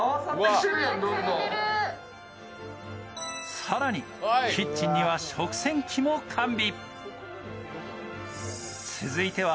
更にキッチンには食洗機も完備。